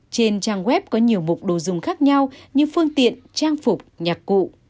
trên trang web có nhiều mục đồ dùng khác nhau như phương tiện trang phục nhạc cụ